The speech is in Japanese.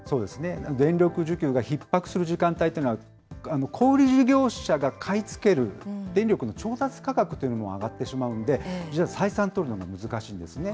電力需給がひっ迫する時間帯というのは、小売り事業者が買い付ける電力の調達価格というのも上がってしまうんで、実は採算取るのが難しいんですね。